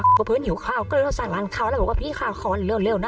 เกิดอะไรขึ้น